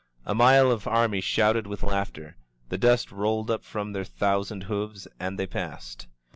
A mile of army shouted with laughter, — ^the dust rolled up from their thou sand hoofs, and they passed.